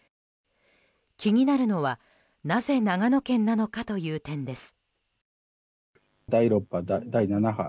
気になるのはなぜ長野県なのかという点です。